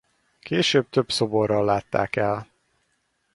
Később több szoborral látták el.